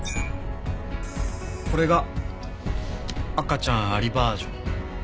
これが赤ちゃんありバージョン。